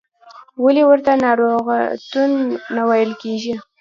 ولې ورته ناروغتون نه ویل کېږي؟